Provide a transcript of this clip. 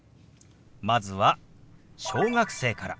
まずは小学生から。